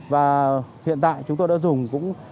và hiện tại chúng tôi đã dùng